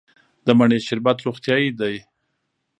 د مڼې شربت روغتیایی دی.